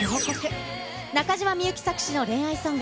中島みゆき作詞の恋愛ソング。